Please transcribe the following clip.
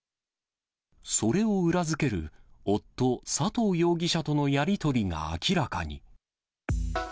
それを裏付ける夫、佐藤容疑者とのやり取りが明らかに。